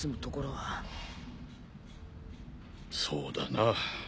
そうだな